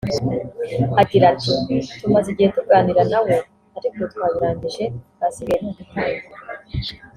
Agira ati “Tumaze igihe tuganira na we ariko ubu twabirangije ahasigaye ni ugutangira